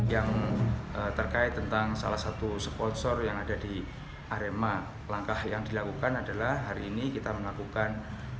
yang terkait tentang salah satu sponsor yang ada di arema langkah yang dilakukan adalah hari ini kita melakukan